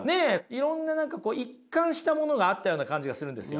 いろんな何か一貫したものがあったような感じがするんですよ。